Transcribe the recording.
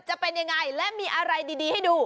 จะเป็นยังไงและมีอะไรดีให้ดู